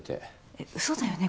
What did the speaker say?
えっうそだよね？